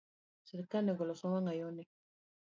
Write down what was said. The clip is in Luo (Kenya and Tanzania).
Sirkal nego olosnwa wangayo ni